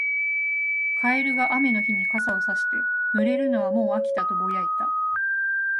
カエルが雨の日に傘をさして、「濡れるのはもう飽きた」とぼやいた。